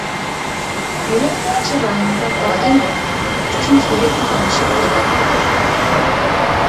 يۈرەك ئۇچى رايونىدا دائىم ئۈچىنچى يۈرەك تاۋۇشى پەيدا بولىدۇ.